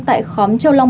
tại khóm châu long bốn